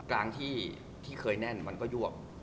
กลางที่เคยแน่นมันก็ยวก